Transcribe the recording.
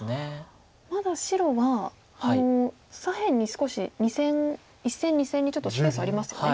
まだ白は左辺に少し１線２線にちょっとスペースありますよね。